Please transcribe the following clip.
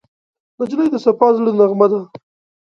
نجلۍ د صفا زړه نغمه ده.